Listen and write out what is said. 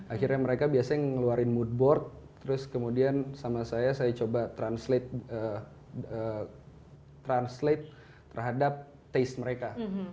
akhirnya mereka biasanya ngeluarin mood board terus kemudian sama saya saya coba translate terhadap taste mereka